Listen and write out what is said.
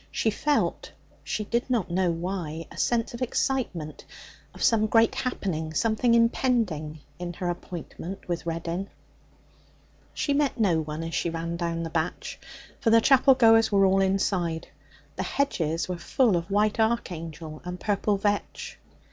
She felt, she did not know why, a sense of excitement, of some great happening, something impending, in her appointment with Reddin. She met no one as she ran down the batch, for the chapel goers were all inside. The hedges were full of white 'archangel' and purple vetch.